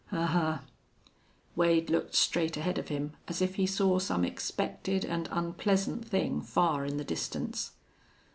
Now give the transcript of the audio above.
"Ahuh!" Wade looked straight ahead of him as if he saw some expected and unpleasant thing far in the distance.